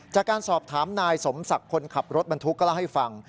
จากการสอบถามนายสมศักดิ์คนขับรถบรรทุกก็เล่าให้ฟัง